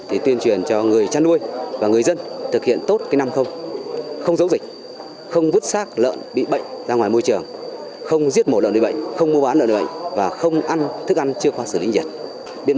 thì tuyên truyền cho người chăn nuôi và người dân thực hiện tốt cái năm không không giấu dịch không vứt xác lợn bị bệnh ra ngoài môi trường không giết một lợn bị bệnh không mua bán lợn bị bệnh và không ăn thức ăn chưa khoa xử lý nhiệt